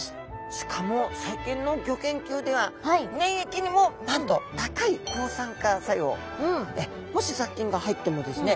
しかも最近のギョ研究では粘液にもなんと高い抗酸化作用もし雑菌が入ってもですね